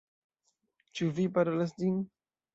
Ĉu vi parolas ĝin?